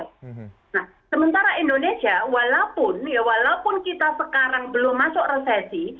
nah sementara indonesia walaupun kita sekarang belum masuk resesi